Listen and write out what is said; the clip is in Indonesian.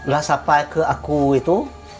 lah sampai ke aku itu